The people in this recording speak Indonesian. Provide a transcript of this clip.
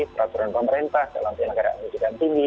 peraturan pemerintah dalam penyelenggaraan pendidikan tinggi